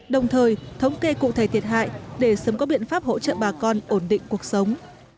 đồng thời thống kê cụ thể thiệt hại để sớm có biện pháp hỗ trợ bà con ổn định cuộc sống